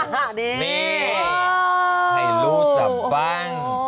ห่ายรูสักบ้าง